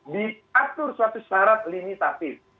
diatur suatu syarat limitatif